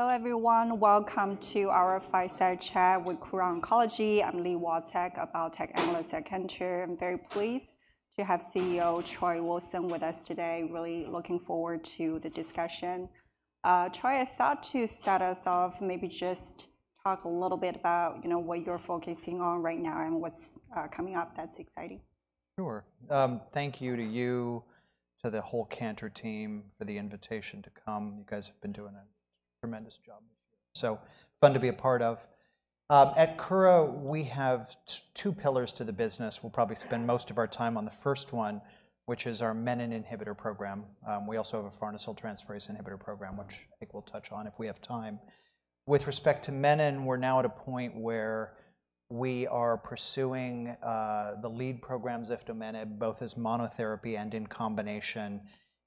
Hello, everyone. Welcome to our Fireside Chat with Kura Oncology. I'm Li Watsek, a Biotech Analyst at Cantor. I'm very pleased to have CEO Troy Wilson with us today. Really looking forward to the discussion. Troy, I thought to start us off, maybe just talk a little bit about, you know, what you're focusing on right now, and what's coming up that's exciting. Sure. Thank you to you, to the whole Cantor team for the invitation to come. You guys have been doing a tremendous job, so fun to be a part of. At Kura, we have two pillars to the business. We'll probably spend most of our time on the first one, which is our Menin inhibitor program. We also have a farnesyltransferase inhibitor program, which I think we'll touch on if we have time. With respect to Menin, we're now at a point where we are pursuing the lead program, Ziftomenib, both as monotherapy and in combination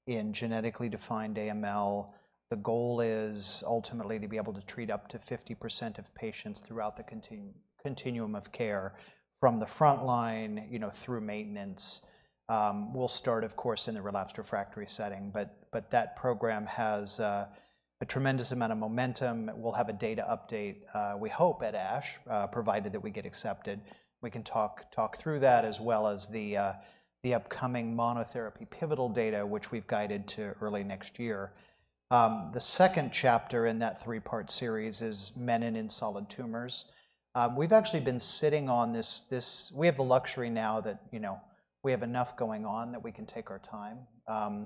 in genetically defined AML. The goal is ultimately to be able to treat up to 50% of patients throughout the continuum of care, from the frontline, you know, through maintenance. We'll start, of course, in the relapsed refractory setting, but that program has a tremendous amount of momentum. We'll have a data update, we hope, at ASH, provided that we get accepted. We can talk through that, as well as the upcoming monotherapy pivotal data, which we've guided to early next year. The second chapter in that three-part series is Menin in solid tumors. We've actually been sitting on this. We have the luxury now that, you know, we have enough going on, that we can take our time.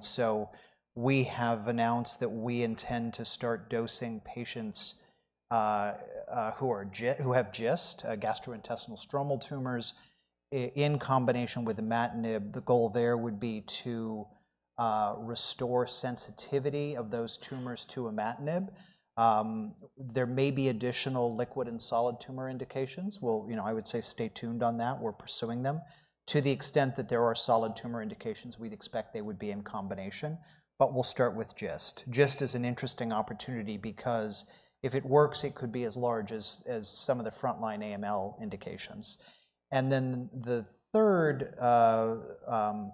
So we have announced that we intend to start dosing patients, who have GIST, gastrointestinal stromal tumors, in combination with Imatinib. The goal there would be to restore sensitivity of those tumors to Imatinib. There may be additional liquid and solid tumor indications. We'll, you know, I would say, stay tuned on that. We're pursuing them. To the extent that there are solid tumor indications, we'd expect they would be in combination, but we'll start with GIST. GIST is an interesting opportunity because if it works, it could be as large as some of the frontline AML indications. Then the third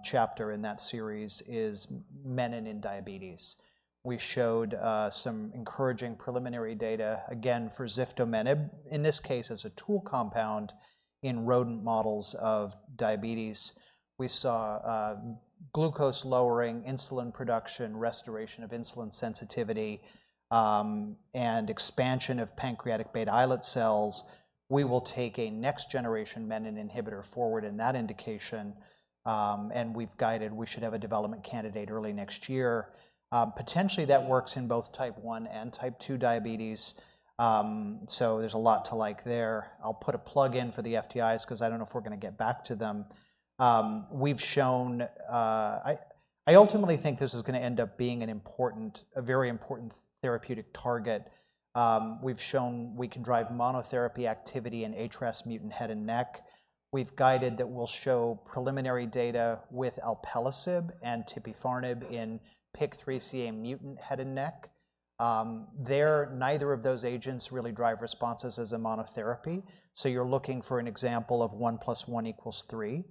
chapter in that series is Menin in diabetes. We showed some encouraging preliminary data, again, for Ziftomenib, in this case, as a tool compound in rodent models of diabetes. We saw glucose lowering, insulin production, restoration of insulin sensitivity, and expansion of pancreatic beta islet cells. We will take a next-generation Menin inhibitor forward in that indication, and we've guided we should have a development candidate early next year. Potentially, that works in both Type 1 and Type 2 diabetes, so there's a lot to like there. I'll put a plug in for the FTIs, 'cause I don't know if we're gonna get back to them. We've shown. I ultimately think this is gonna end up being a very important therapeutic target. We've shown we can drive monotherapy activity in HRAS mutant head and neck. We've guided that we'll show preliminary data with Alpelisib and Tipifarnib in PIK3CA mutant head and neck. Neither of those agents really drive responses as a monotherapy, so you're looking for an example of one plus one equals three.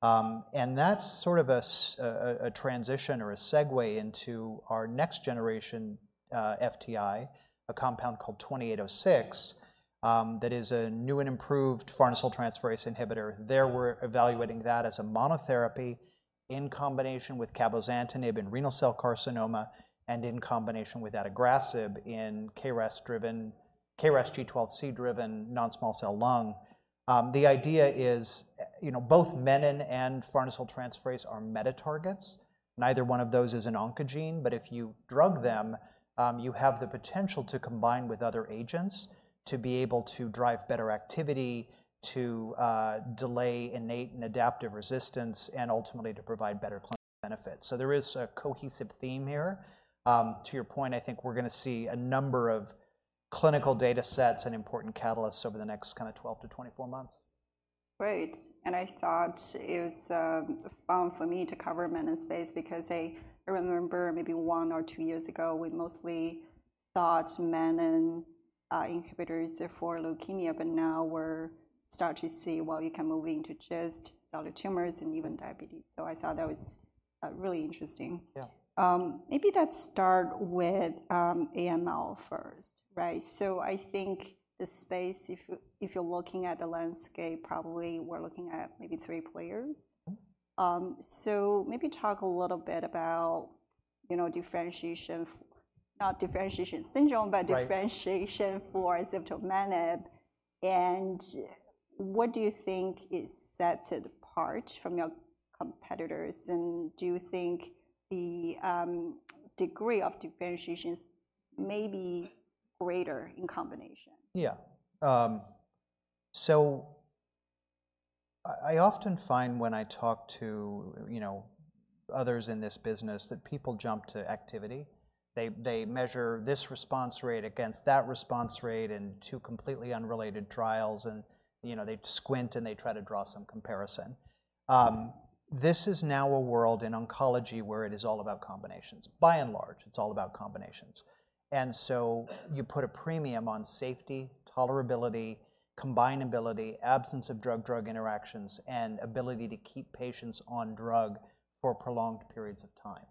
That's sort of a transition or a segue into our next generation FTI, a compound called 2806, that is a new and improved farnesyltransferase inhibitor. There, we're evaluating that as a monotherapy in combination with Cabozantinib in renal cell carcinoma, and in combination with Adagrasib in KRAS-driven, KRAS G12C-driven non-small cell lung. The idea is, you know, both Menin and farnesyltransferase are meta targets. Neither one of those is an oncogene, but if you drug them, you have the potential to combine with other agents to be able to drive better activity, to delay innate and adaptive resistance, and ultimately to provide better clinical benefits. So there is a cohesive theme here. To your point, I think we're gonna see a number of clinical data sets and important catalysts over the next kinda 12 to 24 months. Great, and I thought it was fun for me to cover Menin space because I, I remember maybe one or two years ago, we mostly thought Menin inhibitors are for leukemia, but now we're start to see, well, you can move into GIST, solid tumors, and even diabetes, so I thought that was really interesting. Yeah. Maybe let's start with AML first, right? So I think the space, if you're looking at the landscape, probably we're looking at maybe three players. Mm-hmm. So maybe talk a little bit about, you know, differentiation, not differentiation syndrome- Right but differentiation for Ziftomenib, and what do you think it sets it apart from your competitors, and do you think the degree of differentiations may be greater in combination? Yeah. So I often find when I talk to, you know, others in this business, that people jump to activity. They measure this response rate against that response rate in two completely unrelated trials, and, you know, they squint, and they try to draw some comparison. This is now a world in oncology where it is all about combinations. By and large, it's all about combinations, and so you put a premium on safety, tolerability, combinability, absence of drug-drug interactions, and ability to keep patients on drug for prolonged periods of time.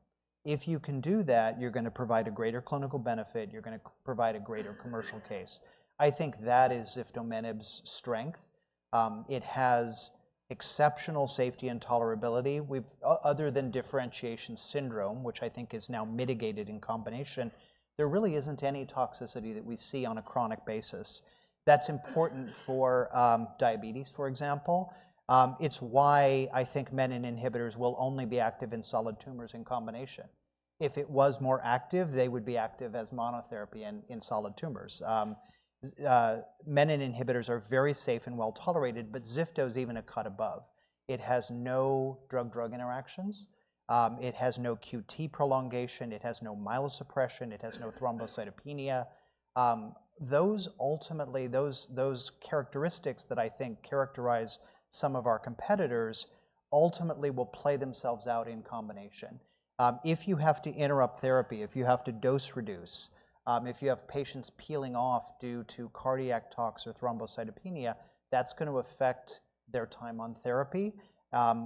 If you can do that, you're gonna provide a greater clinical benefit, you're gonna provide a greater commercial case. I think that is Ziftomenib's strength. It has exceptional safety and tolerability. We have other than differentiation syndrome, which I think is now mitigated in combination, there really isn't any toxicity that we see on a chronic basis. That's important for diabetes, for example. It's why I think Menin inhibitors will only be active in solid tumors in combination. If it was more active, they would be active as monotherapy in solid tumors. Menin inhibitors are very safe and well-tolerated, but Zifto is even a cut above. It has no drug-drug interactions. It has no QT prolongation, it has no myelosuppression, it has no thrombocytopenia. Those characteristics that I think characterize some of our competitors ultimately will play themselves out in combination. If you have to interrupt therapy, if you have to dose reduce, if you have patients peeling off due to cardiac tox or thrombocytopenia, that's gonna affect their time on therapy.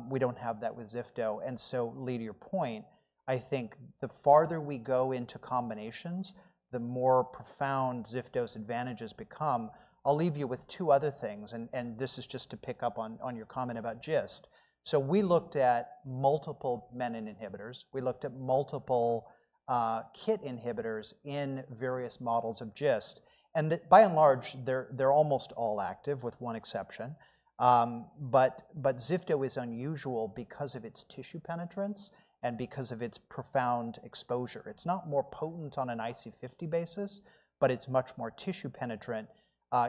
We don't have that with Zifto, and so Li, to your point, I think the farther we go into combinations, the more profound Zifto's advantages become. I'll leave you with two other things, and this is just to pick up on your comment about GIST. So we looked at multiple Menin inhibitors. We looked at multiple KIT inhibitors in various models of GIST, and they by and large, they're almost all active, with one exception. But Zifto is unusual because of its tissue penetration and because of its profound exposure. It's not more potent on an IC50 basis, but it's much more tissue penetrant.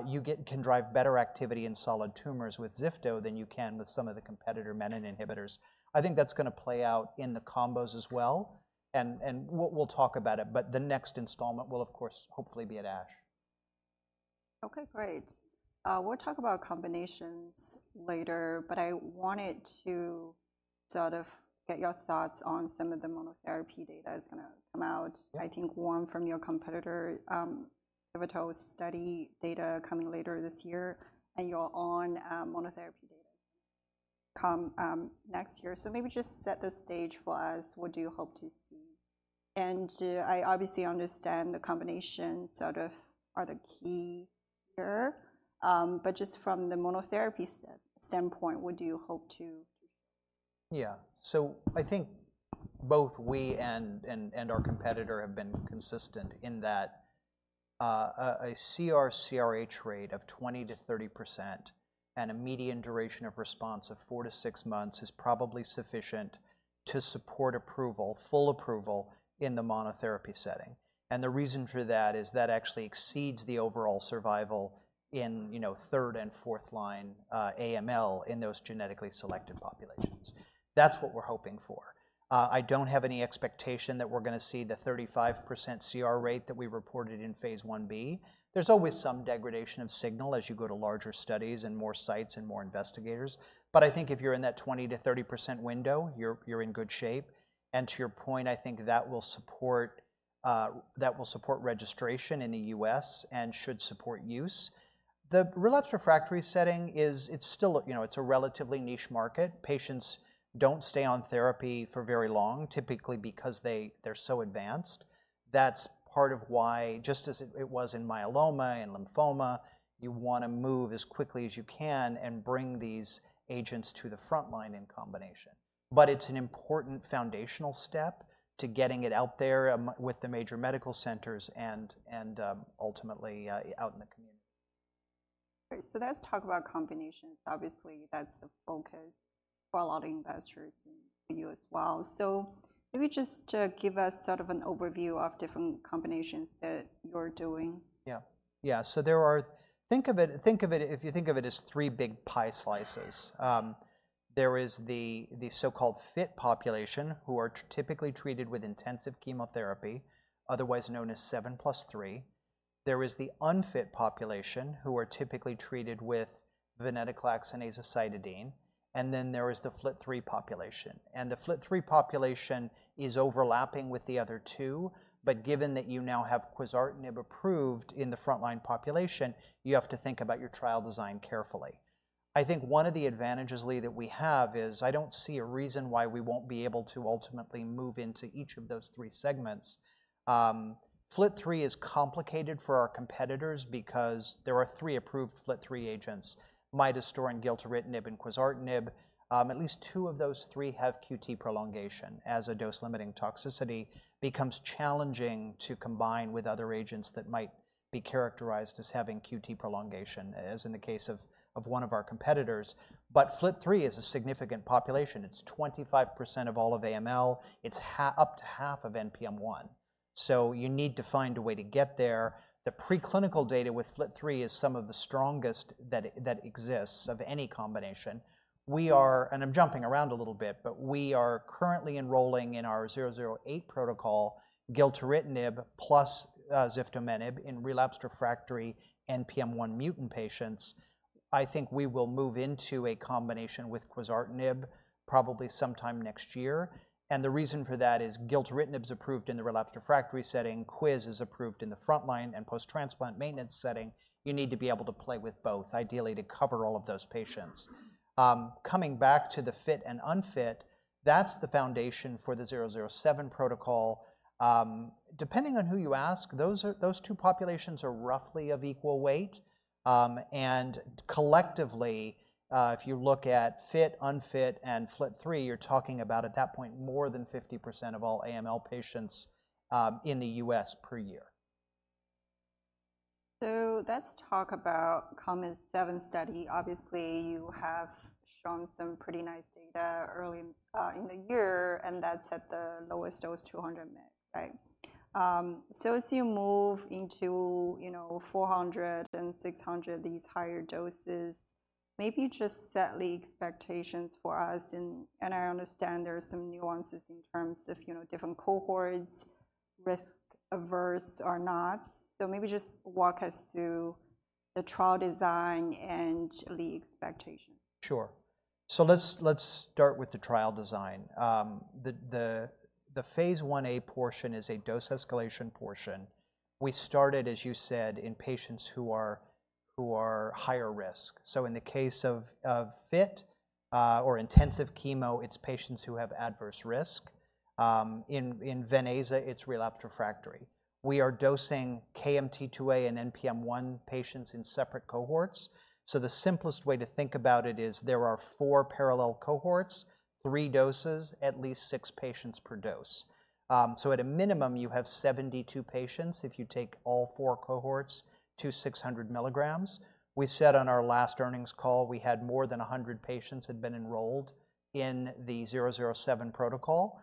You can drive better activity in solid tumors with Zifto than you can with some of the competitor Menin inhibitors. I think that's gonna play out in the combos as well, and we'll talk about it, but the next installment will, of course, hopefully be at ASH. Okay, great. We'll talk about combinations later, but I wanted to sort of get your thoughts on some of the monotherapy data that's gonna come out. I think one from your competitor, Evotec study data coming later this year, and your own monotherapy data come next year. So maybe just set the stage for us, what do you hope to see? And I obviously understand the combinations sort of are the key here, but just from the monotherapy standpoint, what do you hope to... Yeah. So I think both we and our competitor have been consistent in that a CR/CRh rate of 20% to 30% and a median duration of response of 4 to 6 months is probably sufficient to support approval, full approval in the monotherapy setting. And the reason for that is that actually exceeds the overall survival in, you know, third and fourth line AML in those genetically selected populations. That's what we're hoping for. I don't have any expectation that we're gonna see the 35% CR rate that we reported in phase 1b. There's always some degradation of signal as you go to larger studies and more sites and more investigators, but I think if you're in that 20% to 30% window, you're in good shape. And to your point, I think that will support registration in the U.S. and should support use. The relapsed refractory setting is. It's still, you know, it's a relatively niche market. Patients don't stay on therapy for very long, typically because they're so advanced. That's part of why, just as it was in myeloma, in lymphoma, you wanna move as quickly as you can and bring these agents to the frontline in combination. But it's an important foundational step to getting it out there and with the major medical centers and ultimately out in the community. Great. So let's talk about combinations. Obviously, that's the focus for a lot of investors and you as well. So maybe just give us sort of an overview of different combinations that you're doing. So there are, if you think of it as three big pie slices. There is the so-called fit population, who are typically treated with intensive chemotherapy, otherwise known as seven plus three. There is the unfit population, who are typically treated with Venetoclax and Azacitidine, and then there is the FLT3 population. And the FLT3 population is overlapping with the other two, but given that you now have Quizartinib approved in the frontline population, you have to think about your trial design carefully. I think one of the advantages, Li, that we have is, I don't see a reason why we won't be able to ultimately move into each of those three segments. FLT3 is complicated for our competitors because there are three approved FLT3 agents: Midostaurin, Gilteritinib, and Quizartinib. At least two of those three have QT prolongation, as a dose-limiting toxicity becomes challenging to combine with other agents that might be characterized as having QT prolongation, as in the case of one of our competitors. But FLT3 is a significant population. It's 25% of all of AML. It's up to half of NPM1, so you need to find a way to get there. The preclinical data with FLT3 is some of the strongest that exists of any combination. We are... And I'm jumping around a little bit, but we are currently enrolling in our zero zero eight protocol, Gilteritinib plus Ziftomenib in relapsed refractory NPM1 mutant patients. I think we will move into a combination with Quizartinib probably sometime next year. And the reason for that is Gilteritinib is approved in the relapsed refractory setting, Quiz is approved in the frontline and post-transplant maintenance setting. You need to be able to play with both, ideally, to cover all of those patients. Coming back to the fit and unfit, that's the foundation for the zero zero seven protocol. Depending on who you ask, those two populations are roughly of equal weight. And collectively, if you look at fit, unfit, and FLT3, you're talking about, at that point, more than 50% of all AML patients, in the U.S. per year. So let's talk about the KOMET-007 study. Obviously, you have shown some pretty nice data early in the year, and that's at the lowest dose, 200 mg, right? So as you move into, you know, 400 and 600, these higher doses, maybe just set the expectations for us in... And I understand there are some nuances in terms of, you know, different cohorts, risk averse or not. So maybe just walk us through the trial design and the expectation. Sure. So let's start with the trial design. The phase IA portion is a dose escalation portion. We started, as you said, in patients who are higher risk. So in the case of fit or intensive chemo, it's patients who have adverse risk. In Venaza, it's relapsed refractory. We are dosing KMT2A and NPM1 patients in separate cohorts, so the simplest way to think about it is there are four parallel cohorts, three doses, at least six patients per dose. So at a minimum, you have 72 patients if you take all four cohorts to 600 milligrams. We said on our last earnings call, we had more than 100 patients had been enrolled in the 007 protocol.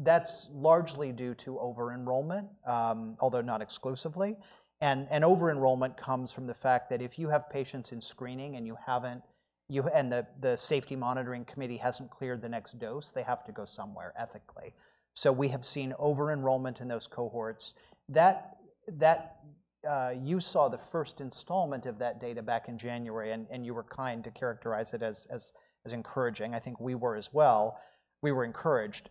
That's largely due to over-enrollment, although not exclusively. And over-enrollment comes from the fact that if you have patients in screening and you haven't and the safety monitoring committee hasn't cleared the next dose, they have to go somewhere ethically. So we have seen over-enrollment in those cohorts. That you saw the first installment of that data back in January, and you were kind to characterize it as encouraging. I think we were as well. We were encouraged.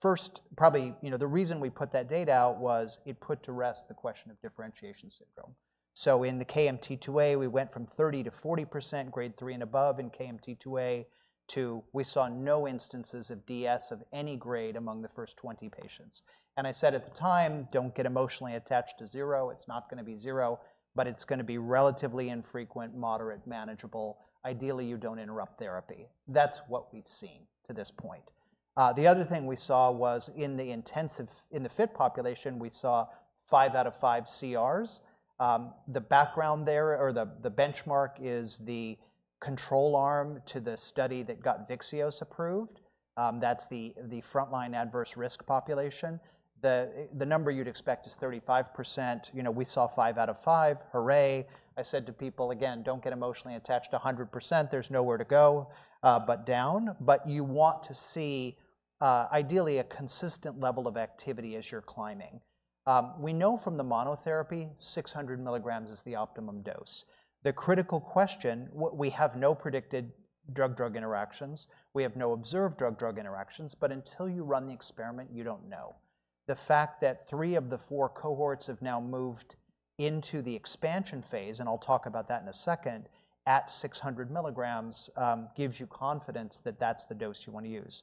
First, probably, you know, the reason we put that data out was it put to rest the question of differentiation syndrome. So in the KMT2A, we went from 30% to 40% grade three and above in KMT2A, to we saw no instances of DS of any grade among the first 20 patients. I said at the time, "Don't get emotionally attached to zero. It's not gonna be zero, but it's gonna be relatively infrequent, moderate, manageable. Ideally, you don't interrupt therapy. That's what we've seen to this point. The other thing we saw was in the intensive, in the fit population, we saw five out of five CRs. The background there or the benchmark is the control arm to the study that got Vyxeos approved. That's the frontline adverse risk population. The number you'd expect is 35%. You know, we saw five out of five. Hooray! I said to people, "Again, don't get emotionally attached to a 100%. There's nowhere to go, but down," but you want to see, ideally, a consistent level of activity as you're climbing. We know from the monotherapy, 600 milligrams is the optimum dose. The critical question, what we have no predicted drug-drug interactions, we have no observed drug-drug interactions, but until you run the experiment, you don't know. The fact that three of the four cohorts have now moved into the expansion phase, and I'll talk about that in a second, at 600 milligrams, gives you confidence that that's the dose you want to use.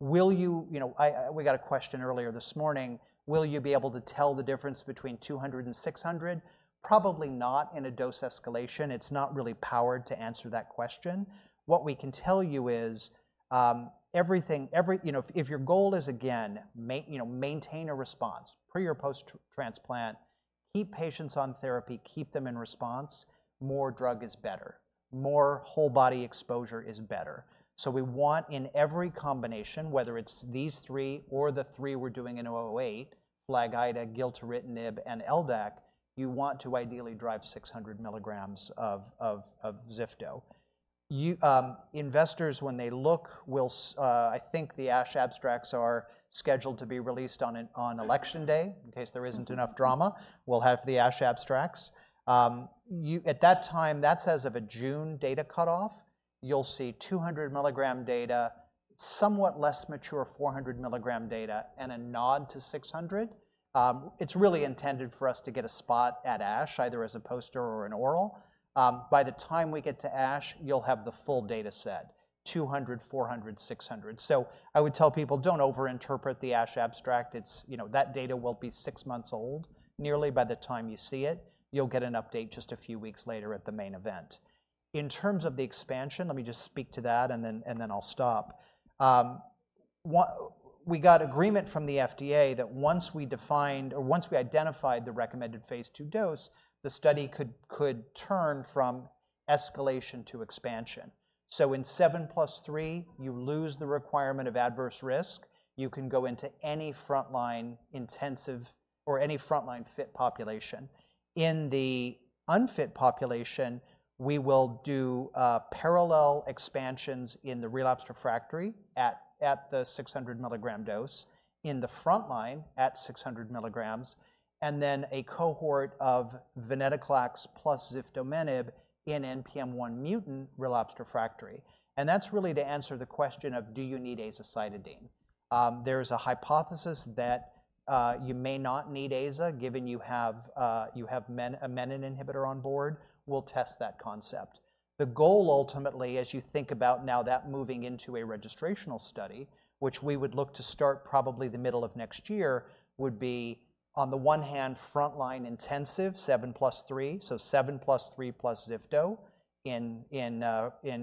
You know, I, we got a question earlier this morning, will you be able to tell the difference between 200 and 600? Probably not in a dose escalation. It's not really powered to answer that question. What we can tell you is, everything, you know, if your goal is, again, you know, maintain a response, pre or post-transplant, keep patients on therapy, keep them in response, more drug is better. More whole body exposure is better. So we want, in every combination, whether it's these three or the three we're doing in zero zero eight, FLAG-Ida, Gilteritinib, and LDAC, you want to ideally drive 600 milligrams of Zifto. You, investors, when they look, will, I think the ASH abstracts are scheduled to be released on Election Day. In case there isn't enough drama, we'll have the ASH abstracts. At that time, that's as of a June data cutoff. You'll see 200 milligram data, somewhat less mature 400 milligram data, and a nod to 600. It's really intended for us to get a spot at ASH, either as a poster or an oral. By the time we get to ASH, you'll have the full data set, 200, 400, 600. So I would tell people, "Don't overinterpret the ASH abstract." It's, you know, that data will be six months old, nearly by the time you see it. You'll get an update just a few weeks later at the main event. In terms of the expansion, let me just speak to that, and then I'll stop. We got agreement from the FDA that once we defined, or once we identified the recommended phase II dose, the study could turn from escalation to expansion. So in seven plus three, you lose the requirement of adverse risk. You can go into any frontline intensive or any frontline fit population. In the unfit population, we will do parallel expansions in the relapsed refractory at the 600 milligram dose, in the frontline at 600 milligrams, and then a cohort of Venetoclax plus Ziftomenib in NPM1 mutant relapsed refractory. That's really to answer the question of: do you need Azacitidine? There's a hypothesis that you may not need aza, given you have a Menin inhibitor on board. We'll test that concept. The goal, ultimately, as you think about now that moving into a registrational study, which we would look to start probably the middle of next year, would be, on the one hand, frontline intensive, seven plus three, so seven plus three plus Zifto in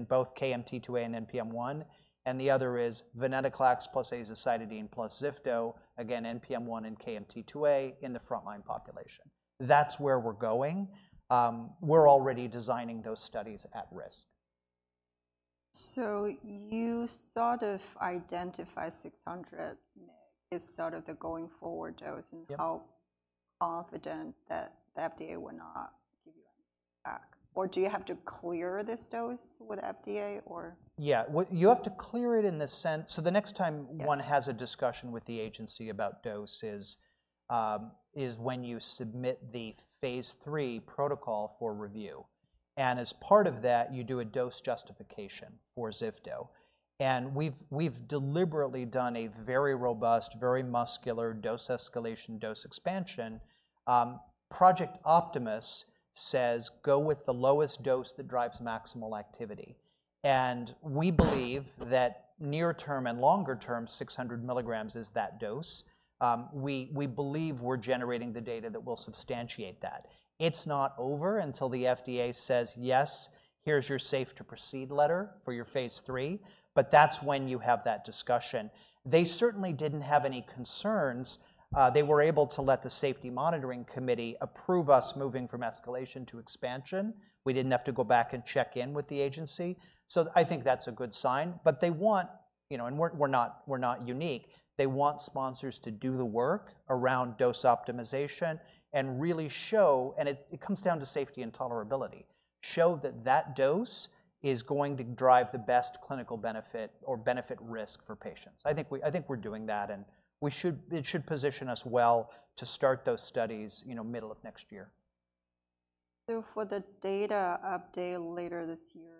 both KMT2A and NPM1, and the other is Venetoclax plus Azacitidine plus Zifto, again, NPM1 and KMT2A in the frontline population. That's where we're going. We're already designing those studies at risk. So you sort of identify six hundred as sort of the going forward dose. Yep. And how confident that the FDA will not give you any back? Or do you have to clear this dose with FDA, or? Yeah. Well, you have to clear it in the sense... So the next time- Yeah one has a discussion with the agency about dose is, is when you submit the phase III protocol for review. And as part of that, you do a dose justification for Zifto. And we've deliberately done a very robust, very muscular dose escalation, dose expansion. Project Optimus says, "Go with the lowest dose that drives maximal activity." And we believe that near term and longer term, 600 milligrams is that dose. We believe we're generating the data that will substantiate that. It's not over until the FDA says, "Yes, here's your safe to proceed letter for your phase III," but that's when you have that discussion. They certainly didn't have any concerns. They were able to let the safety monitoring committee approve us moving from escalation to expansion. We didn't have to go back and check in with the agency, so I think that's a good sign. But they want, you know, and we're, we're not, we're not unique. They want sponsors to do the work around dose optimization and really show. And it, it comes down to safety and tolerability. Show that that dose is going to drive the best clinical benefit or benefit risk for patients. I think we, I think we're doing that, and we should, it should position us well to start those studies, you know, middle of next year. So for the data update later this year,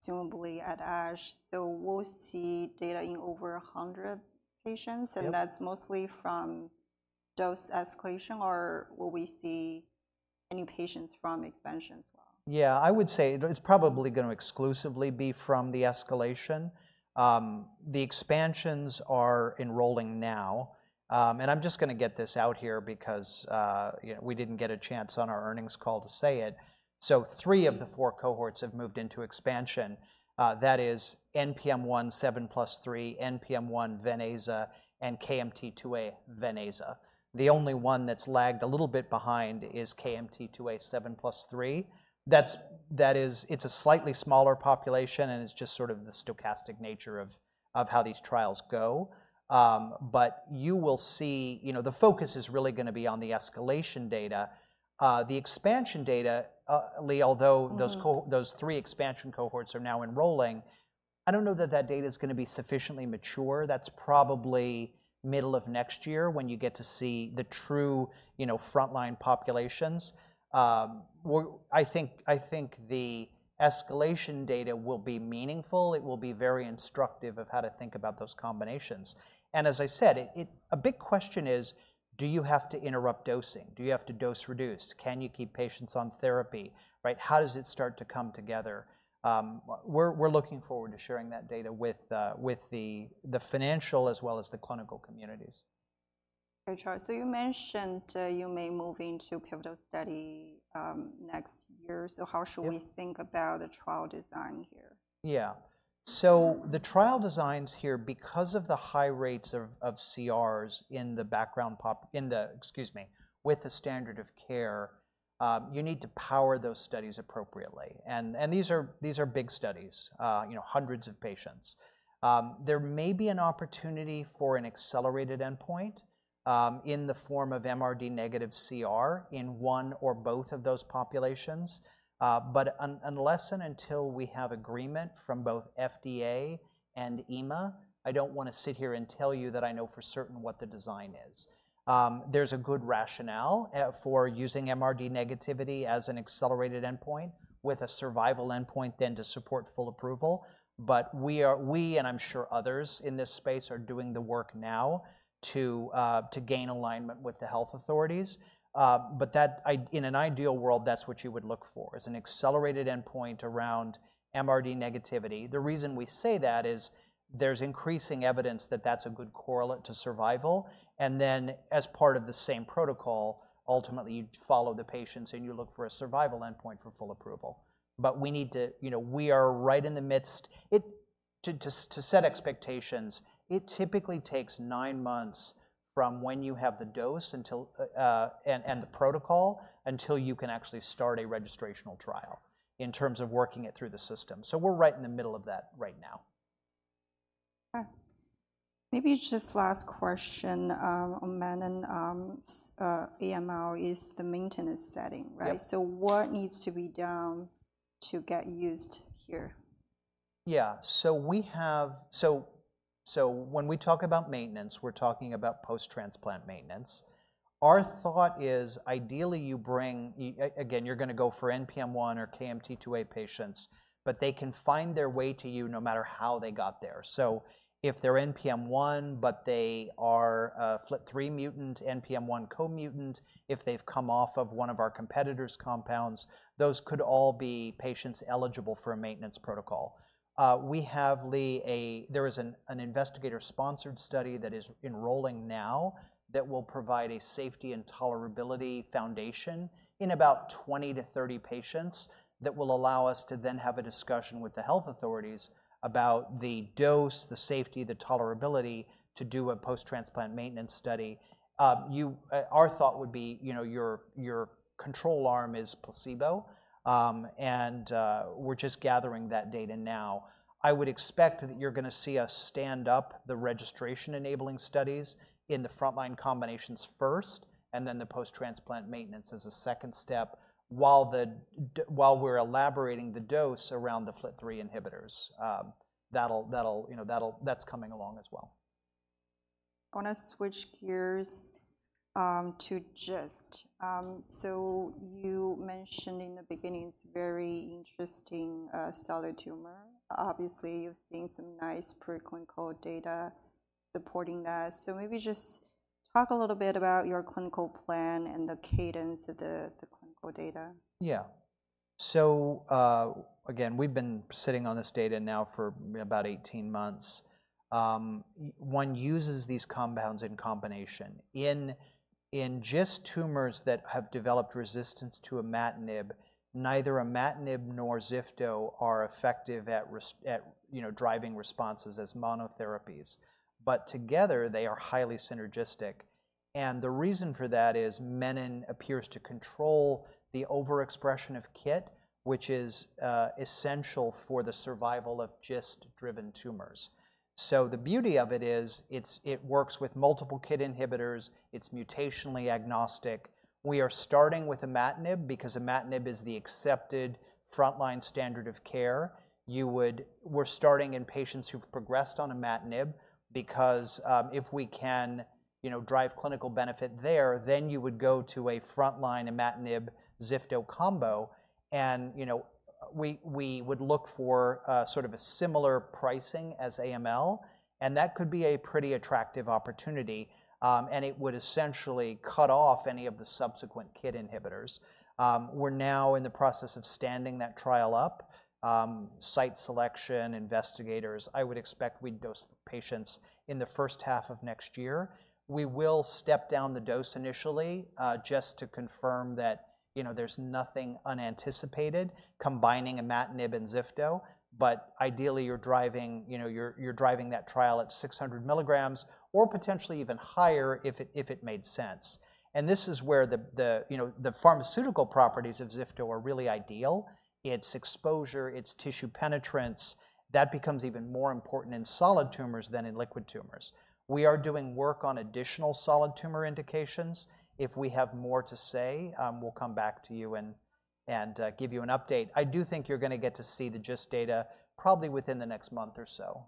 presumably at ASH, so we'll see data in over 100 patients? Yep. That's mostly from dose escalation, or will we see any patients from expansion as well? Yeah, I would say it's probably gonna exclusively be from the escalation. The expansions are enrolling now, and I'm just gonna get this out here because, you know, we didn't get a chance on our earnings call to say it, so three of the four cohorts have moved into expansion. That is NPM1 seven plus three, NPM1 Venaza, and KMT2A Venaza. The only one that's lagged a little bit behind is KMT2A seven plus three. That is, it's a slightly smaller population, and it's just sort of the stochastic nature of how these trials go, but you will see. You know, the focus is really gonna be on the escalation data. The expansion data, Li, although Mm-hmmthose three expansion cohorts are now enrolling. I don't know that the data is gonna be sufficiently mature. That's probably middle of next year when you get to see the true, you know, frontline populations. I think the escalation data will be meaningful. It will be very instructive of how to think about those combinations. And as I said, a big question is: do you have to interrupt dosing? Do you have to dose reduce? Can you keep patients on therapy, right? How does it start to come together? We're looking forward to sharing that data with the financial as well as the clinical communities. Okay, Troy. So you mentioned you may move into pivotal study next year. Yep. So how should we think about the trial design here? Yeah. So the trial designs here, because of the high rates of CRs with the standard of care, you need to power those studies appropriately. And these are big studies, you know, hundreds of patients. There may be an opportunity for an accelerated endpoint in the form of MRD negative CR in one or both of those populations. But unless and until we have agreement from both FDA and EMA, I don't wanna sit here and tell you that I know for certain what the design is. There's a good rationale for using MRD negativity as an accelerated endpoint, with a survival endpoint then to support full approval. But we are, and I'm sure others in this space, are doing the work now to gain alignment with the health authorities. But that, in an ideal world, that's what you would look for, is an accelerated endpoint around MRD negativity. The reason we say that is there's increasing evidence that that's a good correlate to survival. And then, as part of the same protocol, ultimately, you'd follow the patients, and you look for a survival endpoint for full approval. But we need to... You know, we are right in the midst to set expectations, it typically takes nine months from when you have the dose until, and the protocol, until you can actually start a registrational trial in terms of working it through the system. So we're right in the middle of that right now. Okay. Maybe just last question on Menin, AML is the maintenance setting, right? Yep. So what needs to be done to get used here? Yeah. So when we talk about maintenance, we're talking about post-transplant maintenance. Our thought is, ideally, again, you're gonna go for NPM1 or KMT2A patients, but they can find their way to you no matter how they got there. So if they're NPM1, but they are a FLT3 mutant, NPM1 co-mutant, if they've come off of one of our competitors' compounds, those could all be patients eligible for a maintenance protocol. We have, Li. There is an investigator-sponsored study that is enrolling now that will provide a safety and tolerability foundation in about 20 to 30 patients, that will allow us to then have a discussion with the health authorities about the dose, the safety, the tolerability to do a post-transplant maintenance study. Our thought would be, you know, your control arm is placebo, and we're just gathering that data now. I would expect that you're gonna see us stand up the registration-enabling studies in the frontline combinations first, and then the post-transplant maintenance as a second step, while we're elaborating the dose around the FLT3 inhibitors. That'll, you know, that's coming along as well. I wanna switch gears to just so you mentioned in the beginning this very interesting solid tumor. Obviously, you've seen some nice preclinical data supporting that. So maybe just talk a little bit about your clinical plan and the cadence of the clinical data. Yeah. So, again, we've been sitting on this data now for about eighteen months. One uses these compounds in combination. In just tumors that have developed resistance to Imatinib, neither Imatinib nor Zifto are effective at, you know, driving responses as monotherapies. But together, they are highly synergistic, and the reason for that is Menin appears to control the overexpression of KIT, which is essential for the survival of GIST-driven tumors. So the beauty of it is, it works with multiple KIT inhibitors. It's mutationally agnostic. We are starting with Imatinib because Imatinib is the accepted frontline standard of care. We're starting in patients who've progressed on Imatinib because, if we can, you know, drive clinical benefit there, then you would go to a frontline Imatinib, Zifto combo, and, you know, we would look for, sort of a similar pricing as AML, and that could be a pretty attractive opportunity. And it would essentially cut off any of the subsequent KIT inhibitors. We're now in the process of standing that trial up, site selection, investigators. I would expect we'd dose patients in the first half of next year. We will step down the dose initially, just to confirm that, you know, there's nothing unanticipated, combining Imatinib and Zifto, but ideally, you're driving, you know, you're driving that trial at 600 milligrams, or potentially even higher if it made sense. This is where you know, the pharmaceutical properties of Zifto are really ideal. Its exposure, its tissue penetrance, that becomes even more important in solid tumors than in liquid tumors. We are doing work on additional solid tumor indications. If we have more to say, we'll come back to you and give you an update. I do think you're gonna get to see the GIST data probably within the next month or so.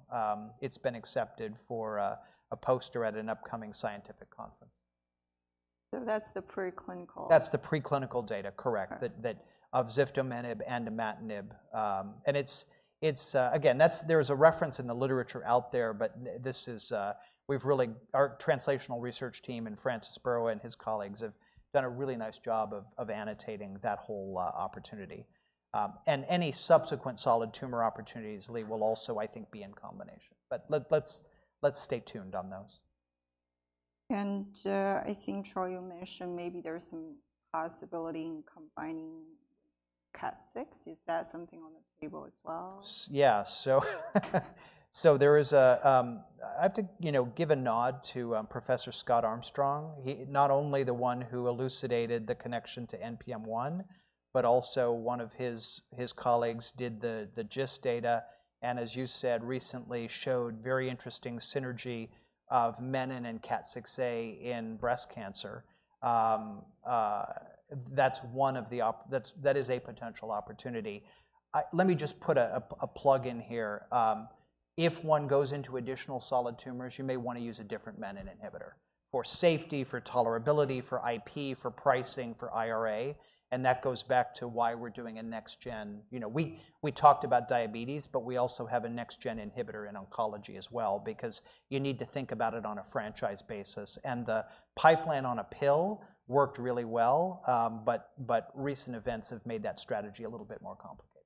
It's been accepted for a poster at an upcoming scientific conference. So that's the preclinical? That's the preclinical data, correct? Okay. Of Zifto, Menin, and Imatinib. And it's again, there is a reference in the literature out there, but this is, we've really. Our translational research team and Francis Burrows and his colleagues have done a really nice job of annotating that whole opportunity. And any subsequent solid tumor opportunities, Li, will also, I think, be in combination. But let's stay tuned on those. I think, Troy, you mentioned maybe there is some possibility in combining KAT6A. Is that something on the table as well? Yeah, so there is a. I have to, you know, give a nod to Professor Scott Armstrong. He not only the one who elucidated the connection to NPM1, but also one of his colleagues did the GIST data, and as you said, recently showed very interesting synergy of Menin and KAT6A in breast cancer. That's a potential opportunity. Let me just put a plug in here. If one goes into additional solid tumors, you may wanna use a different Menin inhibitor, for safety, for tolerability, for IP, for pricing, for IRA, and that goes back to why we're doing a next gen. You know, we talked about diabetes, but we also have a next gen inhibitor in oncology as well, because you need to think about it on a franchise basis, and the pipeline on a pill worked really well, but recent events have made that strategy a little bit more complicated.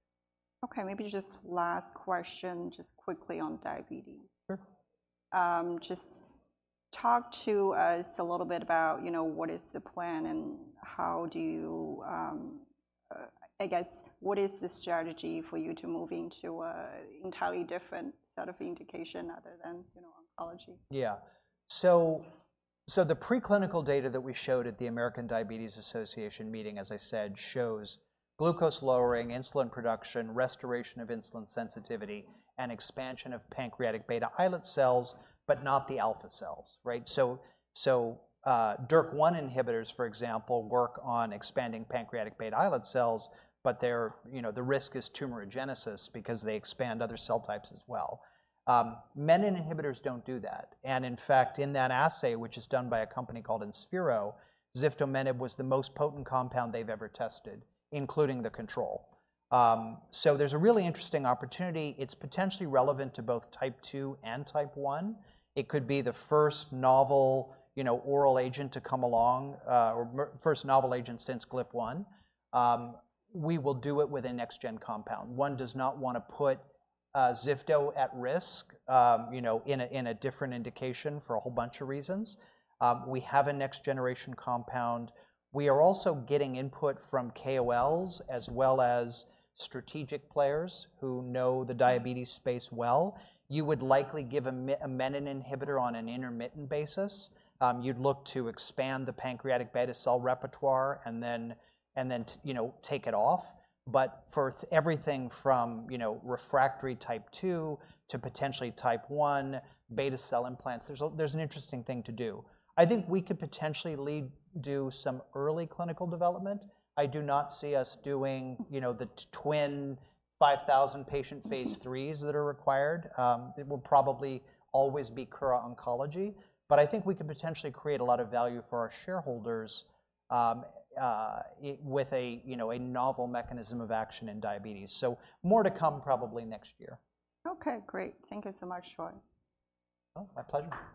Okay, maybe just last question, just quickly on diabetes. Sure. Talk to us a little bit about, you know, what is the plan and how do you, I guess, what is the strategy for you to move into an entirely different set of indication other than, you know, oncology? Yeah. So, the preclinical data that we showed at the American Diabetes Association meeting, as I said, shows glucose lowering, insulin production, restoration of insulin sensitivity, and expansion of pancreatic beta islet cells, but not the alpha cells, right? So, DYRK1A inhibitors, for example, work on expanding pancreatic beta islet cells, but they're, you know, the risk is tumorigenesis because they expand other cell types as well. Menin inhibitors don't do that, and in fact, in that assay, which is done by a company called InSphero, Ziftomenib was the most potent compound they've ever tested, including the control. So there's a really interesting opportunity. It's potentially relevant to both Type Two and Type One. It could be the first novel, you know, oral agent to come along, or first novel agent since GLP-1. We will do it with a next-gen compound. One does not want to put Zifto at risk, you know, in a different indication for a whole bunch of reasons. We have a next generation compound. We are also getting input from KOLs as well as strategic players who know the diabetes space well. You would likely give a Menin inhibitor on an intermittent basis. You'd look to expand the pancreatic beta cell repertoire and then you know, take it off. But for everything from, you know, refractory type 2 to potentially type 1, beta cell implants, there's an interesting thing to do. I think we could potentially lead, do some early clinical development. I do not see us doing, you know, the twenty-five thousand patient phase IIIs that are required. It will probably always be Kura Oncology, but I think we can potentially create a lot of value for our shareholders, with a, you know, a novel mechanism of action in diabetes. So more to come probably next year. Okay, great. Thank you so much, Troy. Oh, my pleasure.